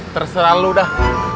terserah lu dah